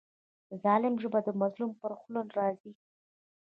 د ظالم ژبه د مظلوم پر خوله راځي.